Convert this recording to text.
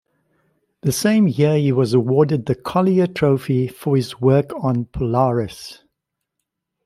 The same year he was awarded the Collier Trophy for his work on Polaris.